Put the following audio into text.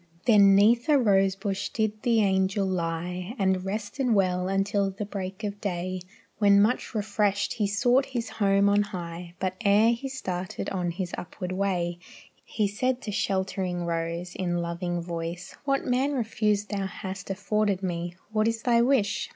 Then 'neath a rose bush did the angel lie, And rested well until the break of day, When much refreshed he sought his home on high, But ere he started on his upward way, He said to sheltering rose, in loving voice, "What man refused thou hast afforded me. What is thy wish?